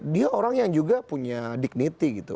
dia orang yang juga punya dignity gitu